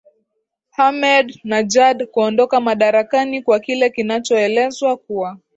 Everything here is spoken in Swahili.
hamed najad kuondoka madarakani kwa kile kinachoelezwa kuwa